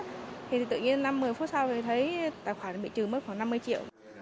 thì tự nhiên năm một mươi phút sau thì thấy tài khoản bị trừ mất khoảng năm mươi triệu